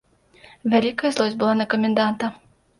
Вялікая злосць была на каменданта.